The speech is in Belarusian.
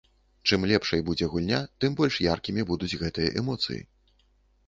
Чым лепшай будзе гульня, тым больш яркімі будуць гэтыя эмоцыі.